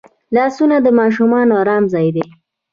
لاسونه د ماشوم ارام ځای دی